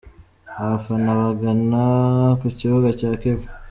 Abafana bagana ku kibuga cya Kivu.